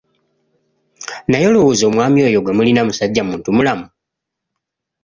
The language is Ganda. Naye olowooza omwami oyo gwe mulina musajja muntu-mulamu?